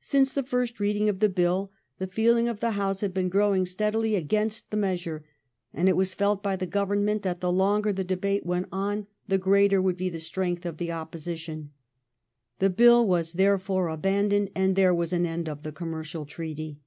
Since the first reading of the Bill the feeling of the House had been growing steadily against the measure, and it was felt by the Government that the longer the debate went on the greater would be the strength of the opposition. The Bill was therefore abandoned, and there was an end of the commercial treaty.